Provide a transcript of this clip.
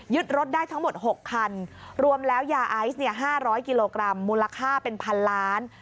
รถได้ทั้งหมด๖คันรวมแล้วยาไอซ์๕๐๐กิโลกรัมมูลค่าเป็นพันล้าน